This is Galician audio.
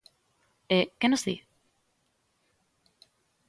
E ¿que nos di?